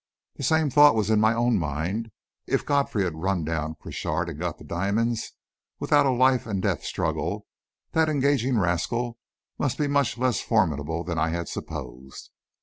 The same thought was in my own mind; if Godfrey had run down Crochard and got the diamonds, without a life and death struggle, that engaging rascal must be much less formidable than I had supposed.